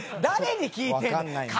誰に聞いてんだ。